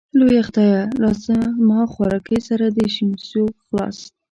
لويه خدايه لازما خوارکۍ سر د شينونسو خلاص.